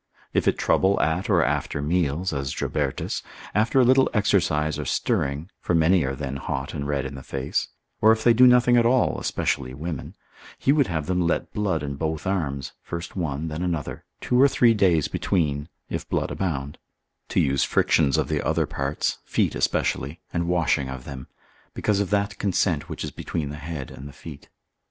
If it trouble at or after meals, (as Jobertus observes med. pract. l. 1. c. 7.) after a little exercise or stirring, for many are then hot and red in the face, or if they do nothing at all, especially women; he would have them let blood in both arms, first one, then another, two or three days between, if blood abound; to use frictions of the other parts, feet especially, and washing of them, because of that consent which is between the head and the feet.